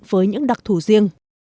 với những đặc thù riêng